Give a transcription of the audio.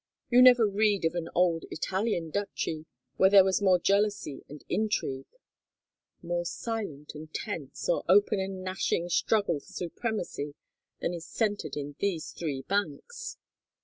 You never read of any old Italian duchy where there was more jealousy and intrigue; more silent and tense, or open and gnashing struggle for supremacy than is centered in these three banks.